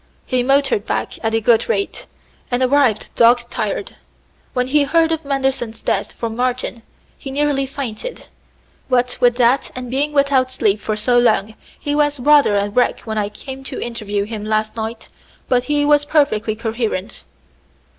He motored back at a good rate, and arrived dog tired. When he heard of Manderson's death from Martin, he nearly fainted. What with that and the being without sleep for so long, he was rather a wreck when I came to interview him last night; but he was perfectly coherent."